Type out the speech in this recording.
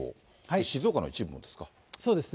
静岡の一部もですか。